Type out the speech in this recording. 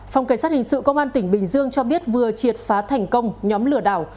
phòng cảnh sát hình sự công an tỉnh bình dương cho biết vừa triệt phá thành công nhóm lừa đảo